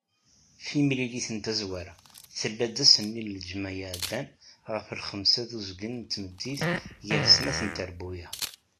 Timlilit n tazwara, tella-d ass-nni n lǧemɛa iɛeddan ɣef lxemsa d uzgen n tmeddit gar snat n trebbuyaɛ.